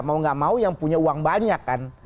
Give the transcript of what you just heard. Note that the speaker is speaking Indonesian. mau gak mau yang punya uang banyak kan